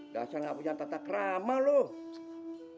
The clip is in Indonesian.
gak usah gak punya tata kerama loh